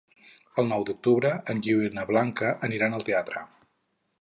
El nou d'octubre en Guiu i na Blanca aniran al teatre.